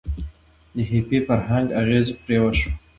د هیپي فرهنګ اغیز پرې وشو.